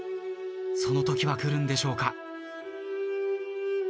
そのときは来るんでしょうか。